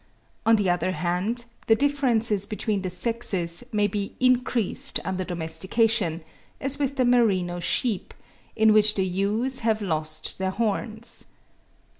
On the other hand, the differences between the sexes may be increased under domestication, as with merino sheep, in which the ewes have lost their horns.